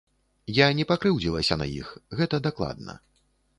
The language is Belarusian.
Я не пакрыўдзілася на іх, гэта дакладна.